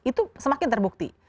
itu semakin terbukti